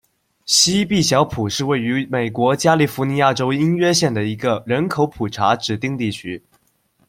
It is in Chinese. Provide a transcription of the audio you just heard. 西毕晓普是位于美国加利福尼亚州因约县的一个人口普查指定地区。